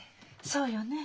そうよね。